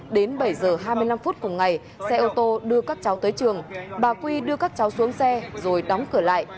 đến bảy h hai mươi năm phút cùng ngày xe ô tô đưa các cháu tới trường bà quy đưa các cháu xuống xe rồi đóng cửa lại